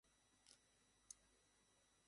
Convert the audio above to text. ড্যাডির জন্য কর।